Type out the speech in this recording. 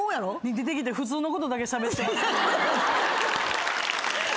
出てきて普通のことだけしゃべってますけど。